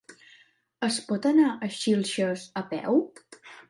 Es pot anar a Xilxes a peu?